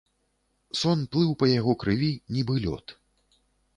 Сон плыў па яго крыві, нібы лёд.